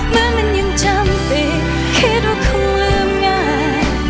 เมื่อมันยังจำไปคิดว่าคงลืมง่าย